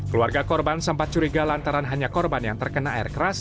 keluarga korban sempat curiga lantaran hanya korban yang terkena air keras